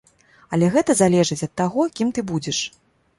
Але гэта залежыць ад таго, кім ты будзеш.